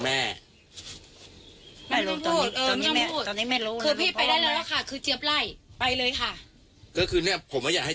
แล้วก็คือเหมือนเมื่อวานนี้